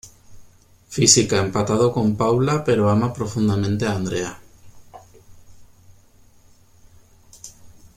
Física, empatado con Paula, pero ama profundamente a a Andrea.